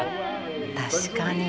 確かに。